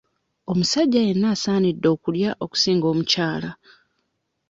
Omusajja yenna asaanidde okulya okusinga omukyala.